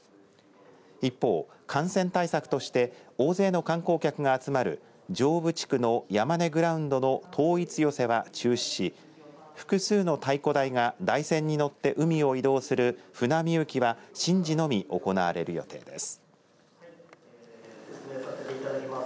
一方、感染対策として大勢の観光客が集まる上部地区の山根グラウンドの統一寄せは中止し複数の太鼓台が台船に乗って海を移動する船御幸は神事のみ行われる予定です。